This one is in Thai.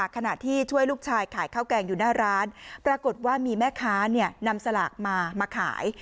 ขณะที่ช่วยลูกชายขายข้าวแกงอยู่หน้าร้านปรากฏว่ามีแม่ค้านำสลากมามาขาย